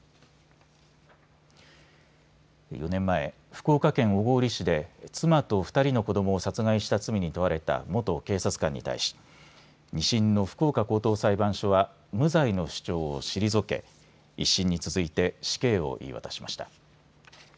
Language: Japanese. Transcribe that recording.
４年前、福岡県小郡市で妻と２人の子どもを殺害した罪に問われた元警察官に対し２審の福岡高等裁判所は無罪の主張を退け１審に続いて死刑を言い渡しました。